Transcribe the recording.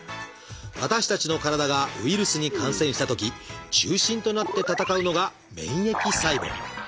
私たちの体がウイルスに感染したとき中心となって闘うのが免疫細胞。